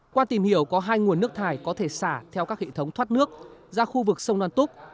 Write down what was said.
qua tìm hiểu có hai nguồn nước thải có thể xả theo các hệ thống thoát nước ra khu vực sông loan túc